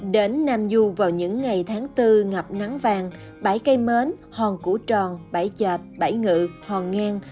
đến nam du vào những ngày tháng tư ngập nắng vàng bãi cây mến hòn củ tròn bãi chạch bãi ngự hòn ngang